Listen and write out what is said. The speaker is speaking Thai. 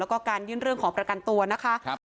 แล้วก็การยื่นเรื่องขอประกันตัวนะคะ